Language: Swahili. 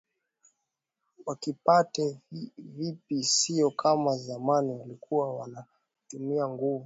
wakipate vipi sio kama zamani walikuwa wanatumia nguvu